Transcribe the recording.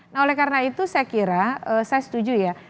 nah oleh karena itu saya kira saya setuju ya